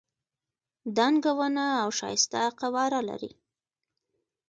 دنګه ونه او ښایسته قواره لري.